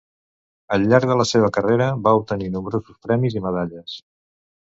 Al llarg de la seva carrera va obtenir nombrosos premis i medalles.